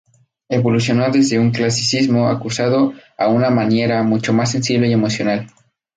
Evolucionó desde un clasicismo acusado a una maniera mucho más sensible y emocional.